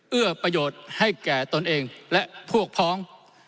เอื้อประโยชน์ให้แก่ตนเองและพวกพ้อง